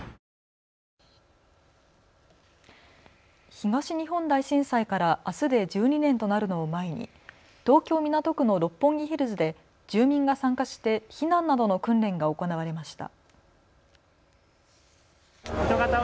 東日本大震災からあすで１２年となるのを前に東京港区の六本木ヒルズで住民が参加して避難などの訓練が行われました。